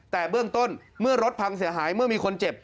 แต่เบื้องต้นเมื่อรถพังเสียหายเมื่อมีคนเจ็บ